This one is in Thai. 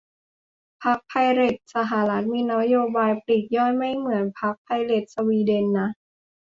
พรรคไพเรตสหรัฐมีนโยบายปลีกย่อยไม่เหมือนพรรคไพเรตสวีเดนนะ